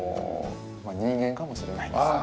人間かもしれないですね。